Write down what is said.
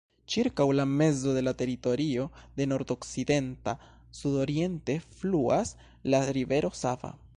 Ĉirkaŭ la mezo de la teritorio, de nordokcidenta sudoriente, fluas la rivero Sava.